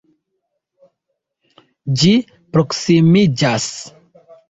Ĝi proksimiĝas.